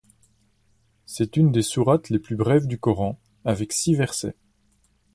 C’est une des sourates les plus brèves du Coran, avec six versets.